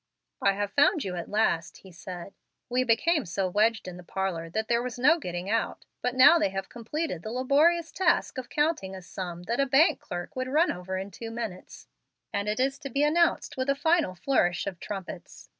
"I have found you at last," he said. "We became so wedged in the parlor that there was no getting out, but now they have completed the laborious task of counting a sum that a bank clerk would run over in two minutes, and it is to be announced with a final flourish of trumpets.